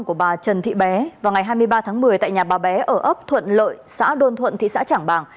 của bà trần thị bé vào ngày hai mươi ba tháng một mươi tại nhà bà bé ở ấp thuận lợi xã đôn thuận thị xã trảng bàng